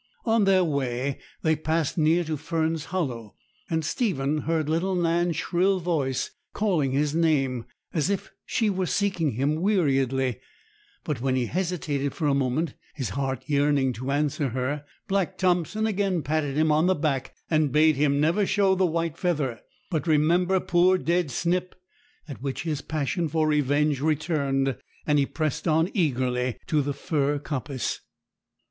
On their way they passed near to Fern's Hollow, and Stephen heard little Nan's shrill voice calling his name, as if she were seeking him weariedly; but when he hesitated for a moment, his heart yearning to answer her, Black Thompson again patted him on the back, and bade him never show the white feather, but remember poor dead Snip; at which his passion for revenge returned, and he pressed on eagerly to the fir coppice.